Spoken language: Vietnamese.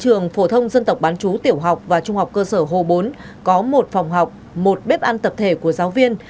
trường phổ thông dân tộc bán chú tiểu học và trung học cơ sở hồ bốn có một phòng học một bếp ăn tập thể của giáo viên